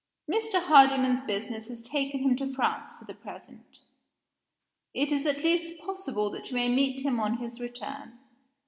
Mr. Hardyman's business has taken him to France for the present. It is at least possible that you may meet with him on his return.